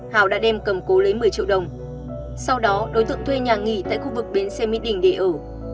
hào đã đem cầm cố lấy một mươi triệu đồng sau đó đối tượng thuê nhà nghỉ tại khu vực bến xe mỹ đình để ở